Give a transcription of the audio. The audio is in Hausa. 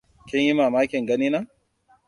Kin yi mamakin ganina?